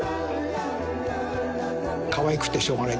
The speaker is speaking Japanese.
かわいくてしょうがない。